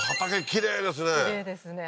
きれいですね